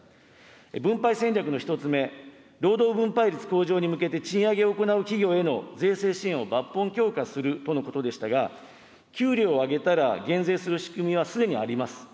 分配戦略の１つ目、労働分配率向上に向けて、賃上げを行う企業への税制支援を抜本強化するとのことでしたが、給料を上げたら、減税する仕組みはすでにあります。